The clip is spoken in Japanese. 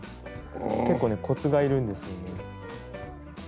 結構ねコツがいるんですよね。